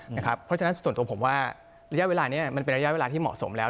เพราะฉะนั้นส่วนตัวผมว่าระยะเวลานี้มันเป็นระยะเวลาที่เหมาะสมแล้ว